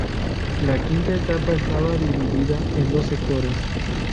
La quinta etapa estaba dividida en dos sectores.